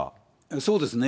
そうですね。